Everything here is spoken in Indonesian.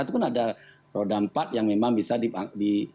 itu kan ada roda empat yang memang bisa dipakai untuk berempat dan sebagainya